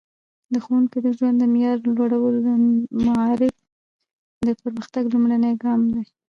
د ښوونکو د ژوند د معیار لوړول د معارف د پرمختګ لومړنی ګام دی.